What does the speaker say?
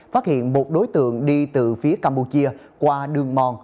phát hiện một đối tượng đi từ phía campuchia qua đường mòn